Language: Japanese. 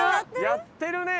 やってるね！